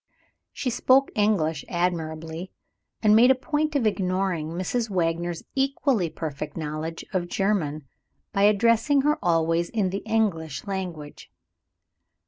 She spoke English admirably, and made a point of ignoring Mrs. Wagner's equally perfect knowledge of German, by addressing her always in the English language.